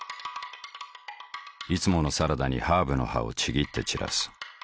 いつものサラダにハーブの葉をちぎって散らす。